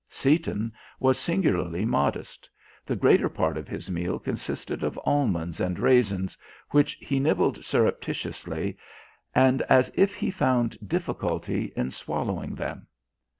Seaton was singularly modest; the greater part of his meal consisted of almonds and raisins, which he nibbled surreptitiously and as if he found difficulty in swallowing them.